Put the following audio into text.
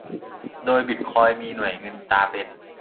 โดยบิตคอยน์มีหน่วยเงินตราเป็น